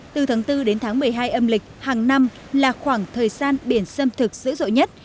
từ tháng bốn đến tháng một mươi hai âm lịch hàng năm là khoảng thời gian biển sâm thực dữ dội nhất